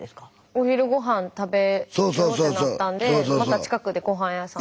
お昼ごはん食べようってなったんでまた近くでごはん屋さん。